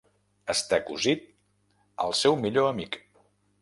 Està cosit al seu millor amic.